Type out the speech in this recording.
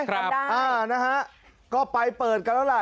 ทำได้อ่านะฮะก็ไปเปิดกันแล้วล่ะ